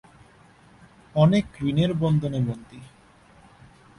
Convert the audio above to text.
অনেকে ঋণের বন্ধনে বন্দী।